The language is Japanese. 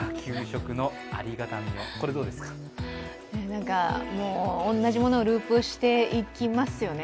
なんか、同じものをループしていきますよね